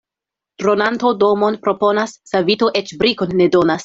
Dronanto domon proponas, savito eĉ brikon ne donas.